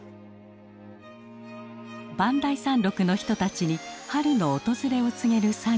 磐梯山麓の人たちに春の訪れを告げる作業。